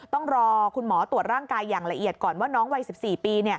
ต้องรอคุณหมอตรวจร่างกายอย่างละเอียดก่อนว่าน้องวัย๑๔ปี